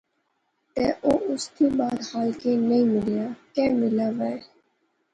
تے او اس تھی بعد خالقے نی ملیا، کہہ ملے وہا